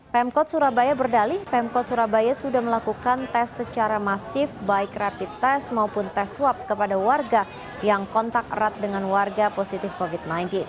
pemkot surabaya berdalih pemkot surabaya sudah melakukan tes secara masif baik rapid test maupun tes swab kepada warga yang kontak erat dengan warga positif covid sembilan belas